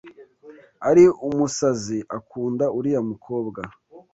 Ari umusazi akunda uriya mukobwa.